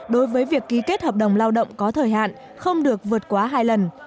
đối với việc ký kết hợp đồng lao động có thời hạn không được vượt quá hai lần